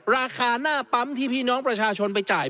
ราคาหน้าปั๊มที่พี่น้องประชาชนไปจ่าย